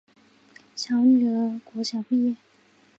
小女儿国小毕业